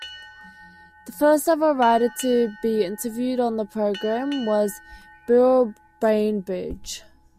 The first ever writer to be interviewed on the programme was Beryl Bainbridge.